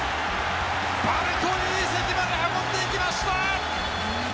バルコニー席まで運んでいきました！